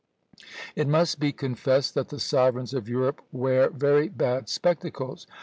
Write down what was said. It must be confessed that the sovereigns of Europe wear very bad spectacles.